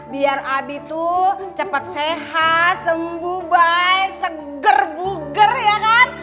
biar abi tuh cepat sehat sembuh baik seger buger ya kan